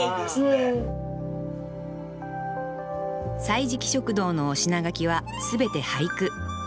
歳時記食堂のお品書きは全て俳句。